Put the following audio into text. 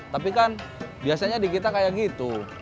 tapi kan biasanya di kita kayak gitu